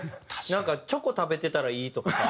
なんかチョコ食べてたらいいとかさ。